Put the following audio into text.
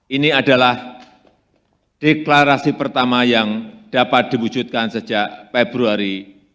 ini adalah deklarasi pertama yang dapat diwujudkan sejak februari dua ribu dua puluh